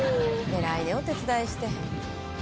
「偉いねお手伝いして」